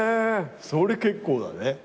それ結構だね。